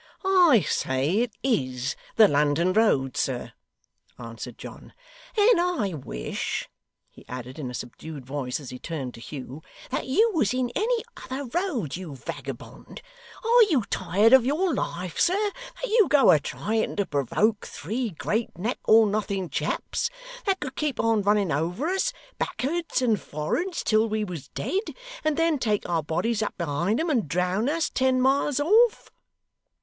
'I say it IS the London road, sir,' answered John. 'And I wish,' he added in a subdued voice, as he turned to Hugh, 'that you was in any other road, you vagabond. Are you tired of your life, sir, that you go a trying to provoke three great neck or nothing chaps, that could keep on running over us, back'ards and for'ards, till we was dead, and then take our bodies up behind 'em, and drown us ten miles off?